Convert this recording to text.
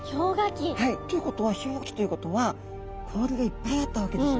氷河期ということは氷がいっぱいあったわけですよね。